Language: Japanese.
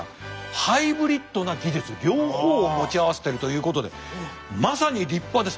ハイブリッドな技術両方を持ち合わせてるということでまさに立派です。